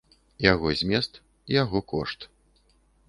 Яго змест, яго кошт.